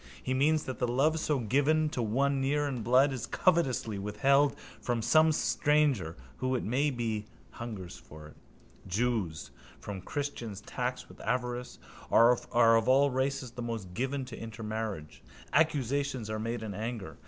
He means that the love so given to one near in blood is covetously withheld from some stranger who, it may be, hungers for it. Jews, whom christians tax with avarice, are of all races the most given to intermarriage. Accusations are made in anger.